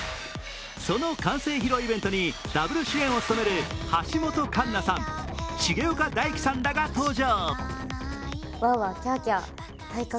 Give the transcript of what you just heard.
その完成披露イベントにダブル主演を務める橋本環奈さん、重岡大毅さんらが登場。